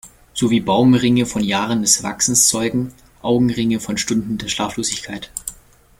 So wie Baumringe von Jahren des Wachsens zeugen Augenringe von Stunden der Schlaflosigkeit.